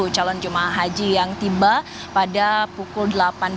empat ratus lima puluh calon jemaah haji yang tiba pada pukul delapan pagi